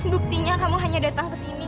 buktinya kamu hanya datang ke sini